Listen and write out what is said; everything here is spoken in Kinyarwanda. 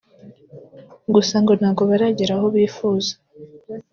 gusa ngo ntabwo baragera aho bifuza